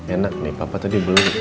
enak nih papa tadi belum